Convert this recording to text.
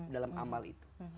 dalam amal itu